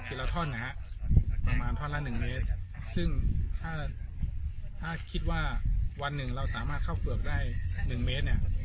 กี่ละท่อนหนาประมาณท่อนละ๑เมตรซึ่งถ้าคิดว่าวันหนึ่งเราสามารถเข้าเผือกได้๑เมตร